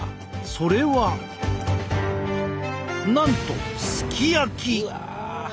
それはなんとすき焼き！